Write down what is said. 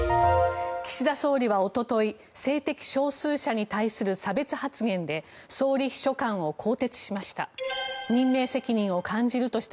岸田総理はおととい性的少数者に対する差別発言で総理秘書官を更迭しました。